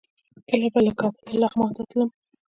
کله به له کابله لغمان ته تللم.